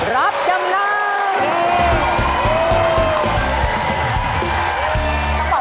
รับจำนำ